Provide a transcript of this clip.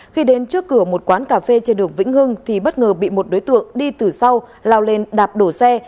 khi đến trước cửa một quán cà phê trên đường vĩnh hưng thì bất ngờ bị một đối tượng đi từ sau lao lên đạp đổ xe